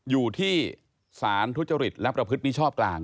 อยู่ที่สารทุจริตและประพฤติมิชชอบกลาง